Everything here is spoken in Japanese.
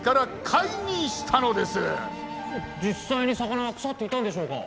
実際に魚は腐っていたんでしょうか？